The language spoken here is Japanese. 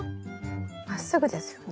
まっすぐですよね。